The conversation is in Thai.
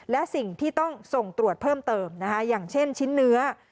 และสิ่งที่ต้องส่งตรวจเพิ่มเติมนะคะอย่างเช่นชิ้นเนื้อ